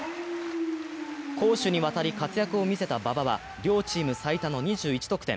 攻守にわたり活躍を見せた馬場は、両チーム最多の２１得点。